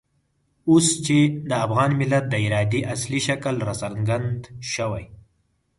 اوس چې د افغان ملت د ارادې اصلي شکل را څرګند شوی.